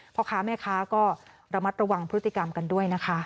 พ่อค้าแม่ค้าก็ระมัดระวังพฤติกรรมกันด้วยนะคะ